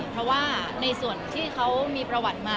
เพราะว่าในส่วนที่เขามีประวัติมา